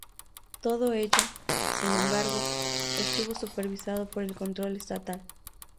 Todo ello, sin embargo, estuvo supervisado por el control estatal.